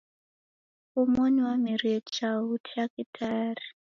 Omoni wamerie chaghu chake tayari